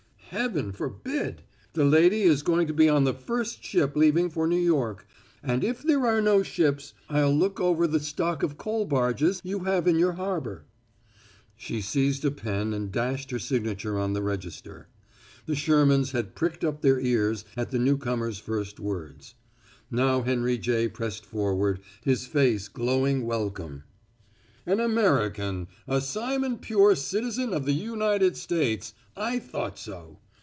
"Heaven forbid! The lady is going to be on the first ship leaving for New York. And if there are no ships, I'll look over the stock of coal barges you have in your harbor." She seized a pen and dashed her signature on the register. The Shermans had pricked up their ears at the newcomer's first words. Now Henry J. pressed forward, his face glowing welcome. "An American a simon pure citizen of the United States I thought so.